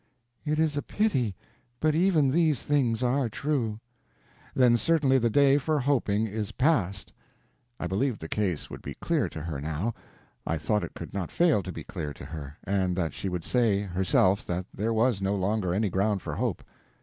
"It is a pity, but even these things are true." "Then certainly the day for hoping is past." I believed the case would be clear to her now. I thought it could not fail to be clear to her, and that she would say, herself, that there was no longer any ground for hope.